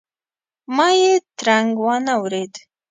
ما یې ترنګ وانه ورېد.